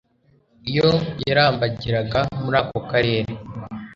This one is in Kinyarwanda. iyo yarambagiraga muri ako Karere.